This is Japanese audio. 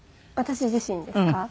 私自身ですか？